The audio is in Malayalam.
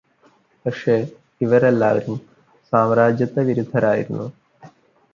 പക്ഷേ ഇവരെല്ലാവരും സാമ്രാജ്യത്വവിരുദ്ധരായിരുന്നു.